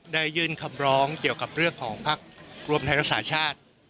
ได้ยื่นคำร้องเกี่ยวกับเรื่องของภักดิ์รวมไทยรักษาชาติ